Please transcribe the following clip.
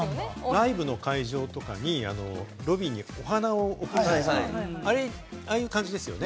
ライブの会場とか、ロビーにお花を贈るじゃないですか、ああいう感じですよね。